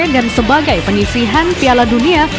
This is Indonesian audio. dan sebagai penyisihan piala dunia